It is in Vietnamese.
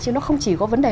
chứ nó không chỉ có vấn đề